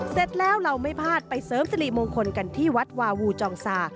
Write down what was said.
เสร็จแล้วเราไม่พลาดไปเสริมสิริมงคลกันที่วัดวาวูจองซา